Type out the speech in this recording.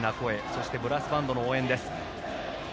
そしてブラスバンドの応援です。